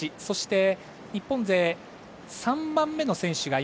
そして、日本勢３番目の選手